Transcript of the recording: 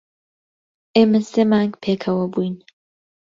ئێمە سێ مانگ پێکەوە بووین.